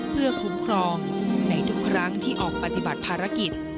เพื่อคุ้มครองในทุกครั้งที่ออกปฏิบัติภารกิจ